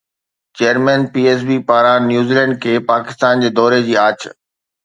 chairman P S B پاران New Zealand کي پاڪستان جي دوري جي آڇ